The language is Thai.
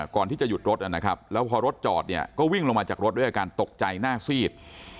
ก่อนที่จะหยุดรถนะครับแล้วพอรถจอดเนี่ยก็วิ่งลงมาจากรถด้วยอาการตกใจหน้าซีด